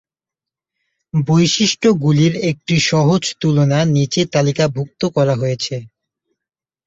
বৈশিষ্ট্যগুলির একটি সহজ তুলনা নিচে তালিকাভুক্ত করা হয়েছে।